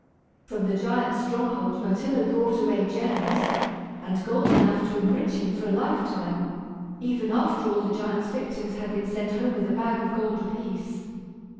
From the giant's stronghold Myrtillo brought away gems and gold enough to enrich him for a lifetime, even after all the giant's victims had been sent home with a bag of gold apiece.